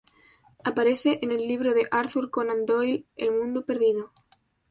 Aparece en el libro de Arthur Conan Doyle "El mundo perdido".